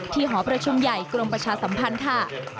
หอประชุมใหญ่กรมประชาสัมพันธ์ค่ะ